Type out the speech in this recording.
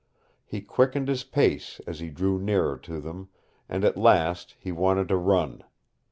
He quickened his pace as he drew nearer to them, and at last he wanted to run.